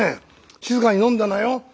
静かに飲んでなよ。